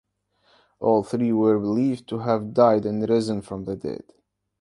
All three were believed to have died and risen from the dead.